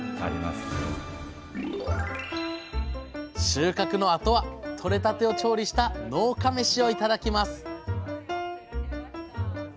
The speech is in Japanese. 収穫のあとはとれたてを調理した農家めしを頂きます！